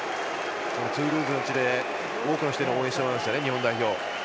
トゥールーズの地で多くの人に応援してもらうんですよね、日本代表。